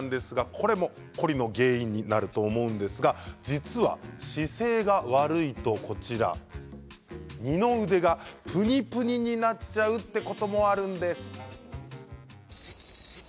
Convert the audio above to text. これも凝りの原因になると思うんですが実は姿勢が悪いと二の腕がぷにぷにになっちゃうってこともあるんです。